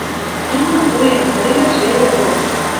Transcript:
«Киндӹм пуэм, тӹредӓш веле тол».